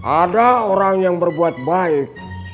ada orang yang berbuat baik